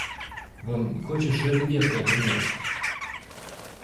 Вон хочешь эта девка обернётся?